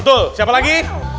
betul siapa lagi